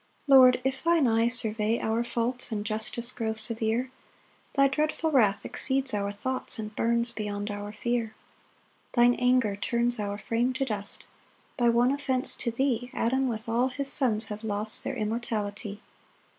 1 Lord, if thine eyes survey our faults, And justice grow severe, Thy dreadful wrath exceeds our thoughts, And burns beyond our fear. 2 Thine anger turns our frame to dust; By one offence to thee Adam with all his sons have lost Their immortality.